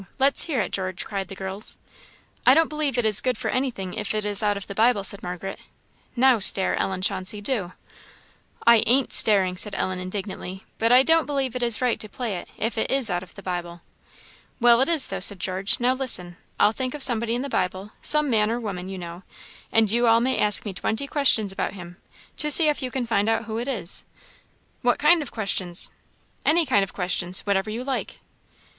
let's hear it, George," cried the girls. "I don't believe it is good for anything if it is out of the Bible," said Margaret. "Now stare, Ellen Chauncey, do!" "I ain't staring," said Ellen, indignantly; "but I don't believe it is right to play it, if it is out of the Bible." "Well, it is, though," said George. "Now listen; I'll think of somebody in the Bible some man or woman, you know; and you all may ask me twenty questions about him, to see if you can find out who it is." "What kind of questions?" "Any kind of questions whatever you like."